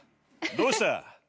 どうした？